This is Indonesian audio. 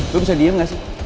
lo bisa diem gak sih